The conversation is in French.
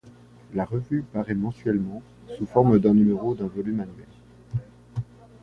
La revue paraît mensuellement, sous forme d'un numéro d'un volume annuel.